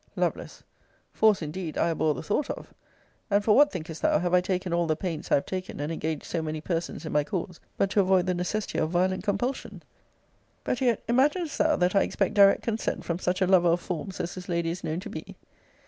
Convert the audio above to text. Lovel. Force, indeed, I abhor the thought of; and for what, thinkest thou, have I taken all the pains I have taken, and engaged so many persons in my cause, but to avoid the necessity of violent compulsion? But yet, imaginest thou that I expect direct consent from such a lover of forms as this lady is known to be!